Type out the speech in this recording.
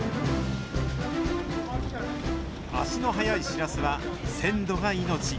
足の早いシラスは鮮度が命。